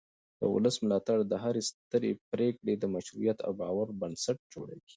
د ولس ملاتړ د هرې سترې پرېکړې د مشروعیت او باور بنسټ جوړوي